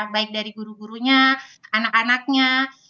baik dari guru gurunya anak anaknya